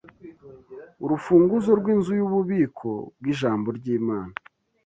urufunguzo rw’inzu y’ububiko bw’ijambo ry’Imana